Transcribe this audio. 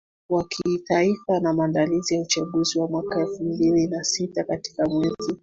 wa kitaifa na maandalizi ya uchaguzi wa mwaka elfu mbili na sitaKatika mwezi